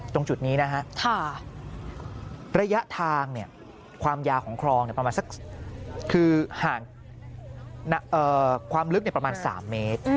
ตรงจุดนี้นะครับระยะทางความยาของคลองประมาณสัก๓เมตร